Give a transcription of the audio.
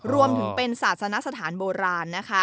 รวมถึงเป็นศาสนสถานโบราณนะคะ